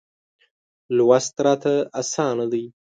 لوست راته اسانه دی.